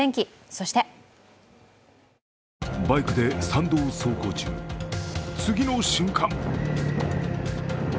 そしてバイクで山道を走行中次の瞬間